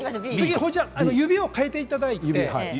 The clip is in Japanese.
指を替えていただいて。